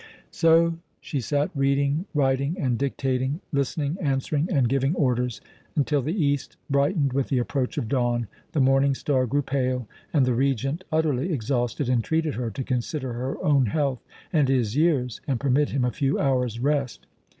So she sat reading, writing, and dictating, listening, answering, and giving orders, until the east brightened with the approach of dawn, the morning star grew pale, and the Regent, utterly exhausted, entreated her to consider her own health and his years, and permit him a few hours' rest.